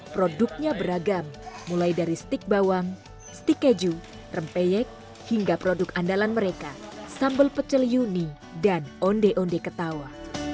produknya beragam mulai dari stik bawang stik keju rempeyek hingga produk andalan mereka sambal pecel yuni dan onde onde ketawa